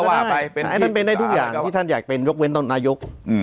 ท่านเป็นในทุกอย่างที่ท่านอยากเป็นยกเว้นต้นนายก